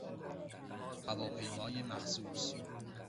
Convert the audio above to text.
هواپیمای مخصوص